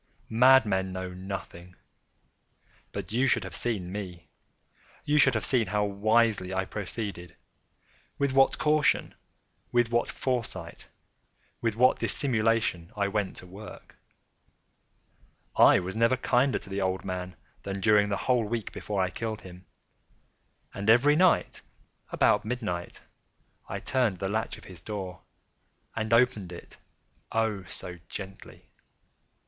Madmen know nothing. But you should have seen me. You should have seen how wisely I proceeded—with what caution—with what foresight—with what dissimulation I went to work! I was never kinder to the old man than during the whole week before I killed him. And every night, about midnight, I turned the latch of his door and opened it—oh, so gently!